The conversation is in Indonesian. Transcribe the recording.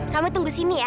kamu tunggu sini ya